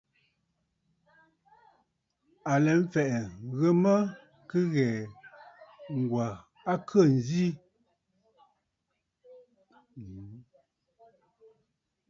À lɛ mfɛ̀ʼɛ̀, ŋghə mə kɨ ghɛ̀ɛ̀, Ŋ̀gwà a khê ǹzi.